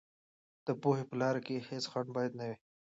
د پوهې په لار کې هېڅ خنډ باید نه وي.